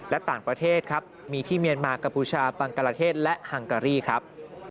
และต่างประเทศครับมีที่เมียนมากัมพูชาบังกลาเทศและฮังการีครับ